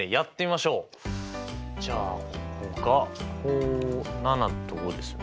じゃあここが７と５ですよね。